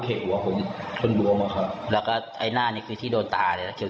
เข็ดหัวผมชนบวมอ่ะครับแล้วก็ไอ้หน้านี่คือที่โดนตาเลยแล้ว